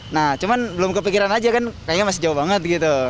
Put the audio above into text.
nah cuman belum kepikiran aja kan kayaknya masih jauh banget gitu